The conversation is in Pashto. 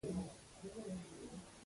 د خپلو اړتیاوو لپاره يې بس شي.